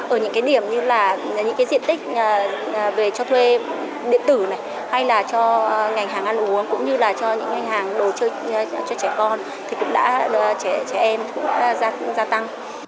ở những điểm như là những cái diện tích về cho thuê điện tử này hay là cho ngành hàng ăn uống cũng như là cho những ngành hàng đồ chơi cho trẻ con thì cũng đã trẻ em cũng gia tăng